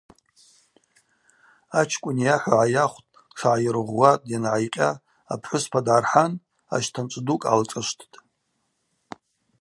Ачкӏвын йахӏва гӏайахвтӏ, тшгӏайыргъвгъватӏ, йангӏайкъьа апхӏвыспа дгӏархӏан ащтанчӏв дукӏ гӏалшӏышвттӏ.